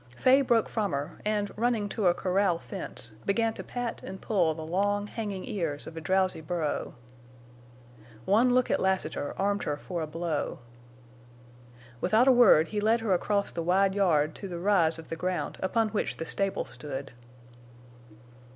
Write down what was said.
Fay broke from her and, running to a corral fence, began to pat and pull the long, hanging ears of a drowsy burro. One look at Lassiter armed her for a blow. Without a word he led her across the wide yard to the rise of the ground upon which the stable stood.